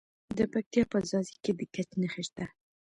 د پکتیا په ځاځي کې د ګچ نښې شته.